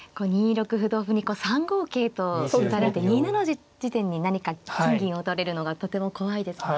２六歩同歩に３五桂と打たれて２七の地点に何か金銀を打たれるのがとても怖いですね。